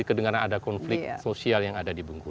kedengeran ada konflik sosial yang ada di bungkulu